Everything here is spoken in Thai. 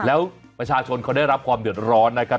แล้วประชาชนเขาได้รับความเดือดร้อนนะครับ